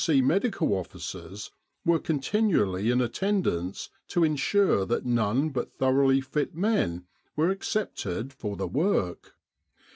C. Medical Officers were continually in attendance to ensure that none but thoroughly fit men were accepted for the work.